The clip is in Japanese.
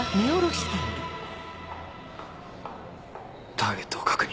ターゲットを確認。